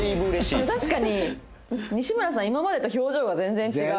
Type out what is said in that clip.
でも確かに西村さん今までと表情が全然違う。